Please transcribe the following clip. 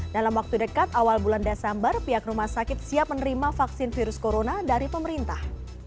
dalam waktu dekat awal bulan desember pihak rumah sakit siap menerima vaksin virus corona dari pemerintah